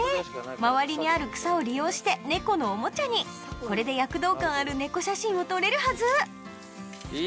周りにある草を利用して猫のおもちゃにこれで躍動感ある猫写真を撮れるはず